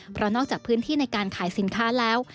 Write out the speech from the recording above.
เพราะนอกจากพื้นที่ในการขายสินค้าแล้ว